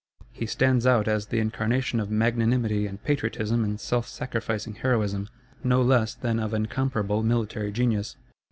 He stands out as the incarnation of magnanimity and patriotism and self sacrificing heroism, no less than of incomparable military genius.